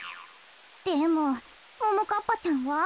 でもももかっぱちゃんは？